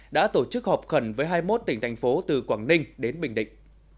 đã tổ chức họp khẩn với hai mươi một tỉnh thành phố từ quảng ninh đến bình định